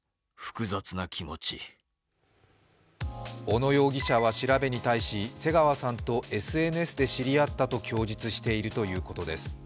小野容疑者は調べに対し瀬川さんとＳＮＳで知り合ったと供述しているということです。